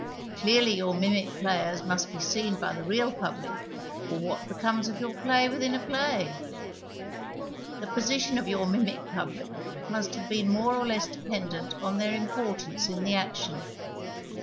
Clearly your mimic jjlayers nuist be seen by the real public, or what becomes of your play witliin a play ? The position of your mimic j)ublie nnist have been more or less dej)endt lit on their importance in the action.